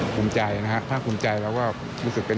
ภูมิใจนะครับภาคภูมิใจแล้วก็